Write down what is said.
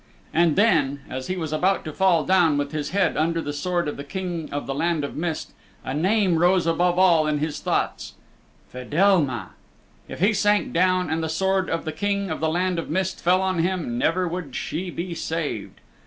And then, as he was about to fall down with his head under the sword of the King of the Land of Mist a name rose above all his thoughts "Fedelma." If he sank down and the sword of the King of the Land of Mist fell on him, never would she be saved.